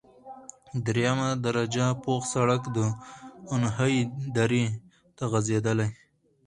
دریمه درجه پوخ سرک د اونخې درې ته غزیدلی،